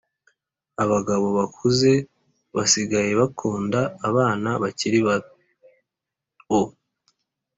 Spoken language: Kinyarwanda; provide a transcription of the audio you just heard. Abagabo bakuze basigaye bakunda abana bakiribao